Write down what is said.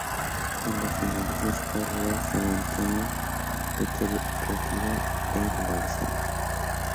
Cuando finalizó su carrera San Antonio le retiró el dorsal.